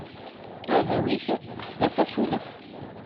Aɛdaw-ik, qsed-as asulef.